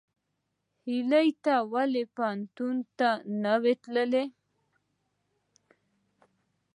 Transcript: هیلۍ ته ولې پوهنتون ته نه وې تللې؟